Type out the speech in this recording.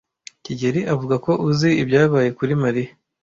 kigeli avuga ko uzi ibyabaye kuri Mariya.